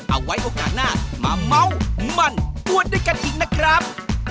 เอาไว้โอกาสหน้ามาเม้ามันอ้วนด้วยกันอีกนะครับ